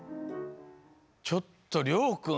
ちょっとりょうくん